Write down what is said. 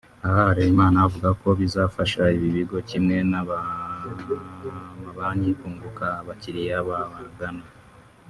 Aha Harerimana avuga ko bizafasha ibi bigo kimwe n’amabanki kunguka abakiliya babagana